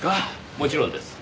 もちろんです。